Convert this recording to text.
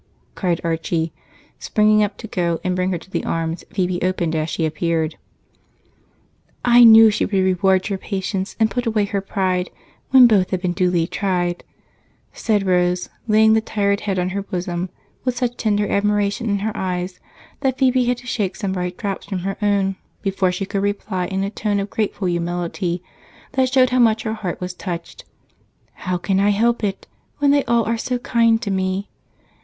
cried Archie, springing up to go and bring her to the arms Phebe opened as she appeared. "I knew she would reward your patience and put away her pride when both had been duly tried," said Rose, laying the tired head on her bosom with such tender admiration in her eyes that Phebe had to shake some bright drops from her own before she could reply in a tone of grateful humility that showed how much her heart was touched: "How can I help it, when they are all so kind to me?